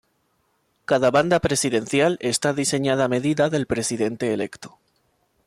Cada banda presidencial está diseñada a medida del presidente electo.